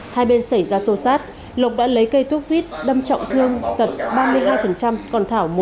hai bên xảy ra xô xát lộc đã lấy cây thuốc vít đâm trọng thương tật ba mươi hai còn thảo